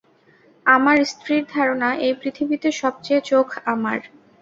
আমার স্ত্রীর ধারণা, এই পৃথিবীতে সবচেয়ে চোখ আমার।